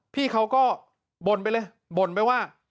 พี่เขาก็บ่นไปเลยบ่นไปว่า